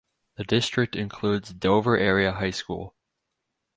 The District includes Dover Area High School.